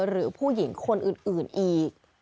หรือผู้หญิงคนอื่นอีก